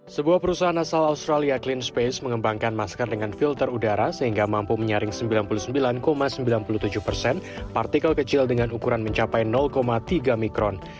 sebuah perusahaan asal australia clean space mengembangkan masker dengan filter udara sehingga mampu menyaring sembilan puluh sembilan sembilan puluh tujuh persen partikel kecil dengan ukuran mencapai tiga mikron